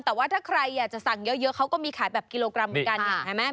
แต่ว่าถ้าใครอยากจะสั่งเยอะเขาก็มีขายแบบกิโลกรัมเหมือนกัน